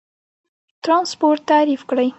ترانسپورت تعریف کړئ.